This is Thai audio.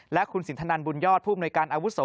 และคุณสินทนันบุญยอดผู้อำนวยการอาวุโส